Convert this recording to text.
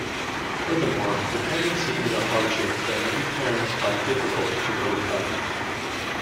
Furthermore, dependency is a hardship that many parents find difficult to overcome.